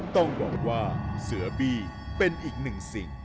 ต้องบอกว่าเสือบี้เป็นอีกหนึ่งสิ่ง